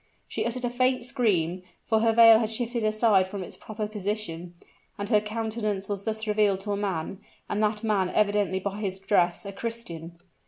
She uttered a faint scream, for her veil had shifted aside from its proper position; and her countenance was thus revealed to a man, and that man evidently by his dress a Christian!